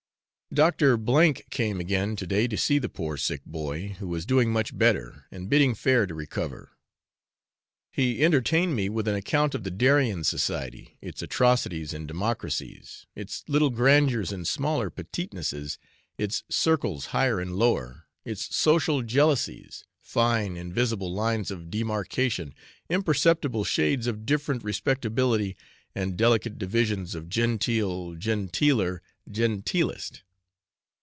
Dr. H came again to day to see the poor sick boy, who is doing much better, and bidding fair to recover. He entertained me with an account of the Darien society, its aristocracies and democracies, its little grandeurs and smaller pettinesses, its circles higher and lower, its social jealousies, fine invisible lines of demarcation, imperceptible shades of different respectability, and delicate divisions of genteel, genteeler, genteelest.